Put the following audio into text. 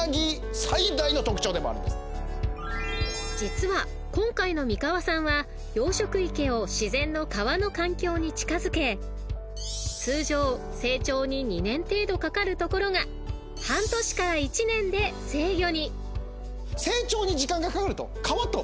［実は今回の三河産は養殖池を自然の川の環境に近づけ通常成長に２年程度かかるところが半年から１年で成魚に］